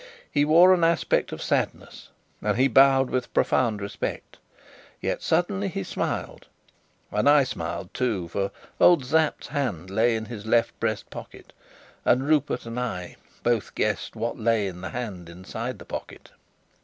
He wore an aspect of sadness, and he bowed with profound respect. Yet suddenly he smiled, and I smiled too, for old Sapt's hand lay in his left breast pocket, and Rupert and I both guessed what lay in the hand inside the pocket.